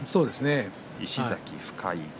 石崎、深井。